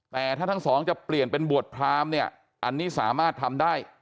แต่ถ้าทั้งสองจะเปลี่ยนเป็นบวชพรามเนี่ยอันนี้สามารถทำได้